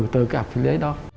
từ gặp dữ liệu đó